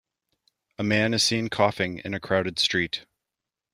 A man is seen coughing in a crowded street.